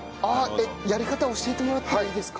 やり方教えてもらってもいいですか？